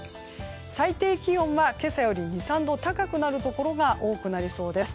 最低気温は今朝より２３度高くなるところが多くなりそうです。